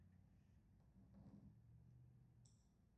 It starred Don Dickenson, Frank Daley, Kathy Gallant and Hugh Graham.